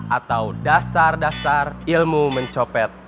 atau dasar dasar ilmu mencopet